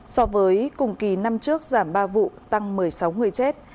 so với cùng kỳ năm trước giảm ba vụ tăng một mươi sáu người chết